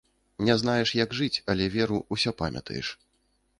Не знаеш, як жыць, але, веру, усё памятаеш.